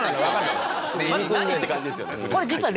まず何？って感じですよね。